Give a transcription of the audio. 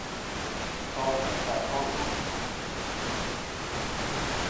ساز مدتها کوک بود.